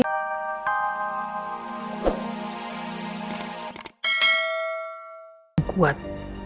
ikatan yang kuat